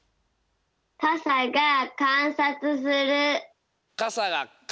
「かさがかんさつする」。